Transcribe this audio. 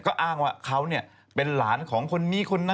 ก็อ้างว่าเขาเนี่ยเป็นหลานของคนนี้คนนั้นคนนี้